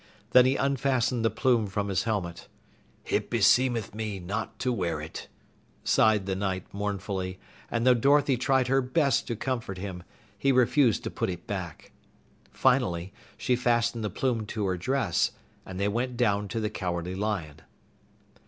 Then he unfastened the plume from his helmet. "It beseemeth me not to wear it," sighed the Knight mournfully, and though Dorothy tried her best to comfort him, he refused to put it back. Finally, she fastened the plume to her dress, and they went down to the Cowardly Lion.